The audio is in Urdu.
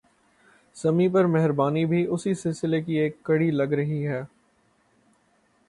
سمیع پر مہربانی بھی اسی سلسلے کی ایک کڑی لگ رہی ہے